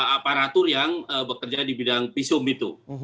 aparatur yang bekerja di bidang visum itu